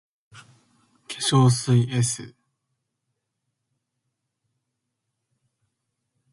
化粧水 ｓ